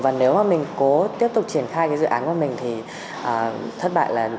và nếu mà mình cố tiếp tục triển khai cái dự án của mình thì thất bại là